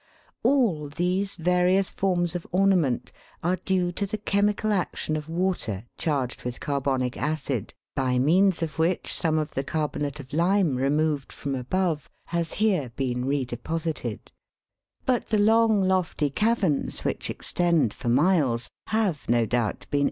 All these various forms of ornament are due to the chemical action of water charged with carbonic acid, by means of which some of the carbonate of lime removed from above has here been re deposited ; but the long, lofty caverns, which extend for miles, have no doubt been 62 THE WORLD'S LUMBER ROOM.